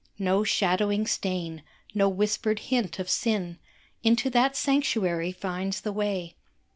No shadowing stain, no whispered hint of sin, Into that sanctuary finds the way.